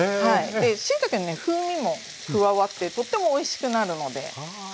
しいたけのね風味も加わってとってもおいしくなるので。